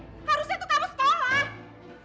harusnya tuh kamu sekolah